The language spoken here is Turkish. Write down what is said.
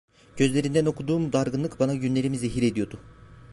Gözlerinden okuduğum dargınlık bana günlerimi zehir ediyordu.